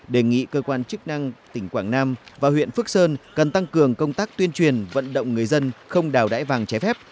đề nghị cơ quan chức năng tỉnh quảng nam và huyện phước sơn cần tăng cường công tác tuyên truyền vận động người dân không đào đải vàng trái phép